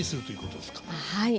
はい。